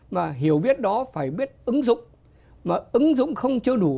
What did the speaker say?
mà hiểu biết đó phải biết ứng dụng mà ứng dụng không chưa đủ